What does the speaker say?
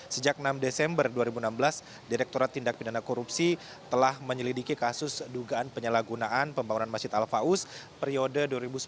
sejak enam desember dua ribu enam belas direkturat tindak pidana korupsi telah menyelidiki kasus dugaan penyalahgunaan pembangunan masjid al faus periode dua ribu sembilan belas dua ribu sembilan